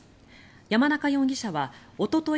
山中容疑者はおととい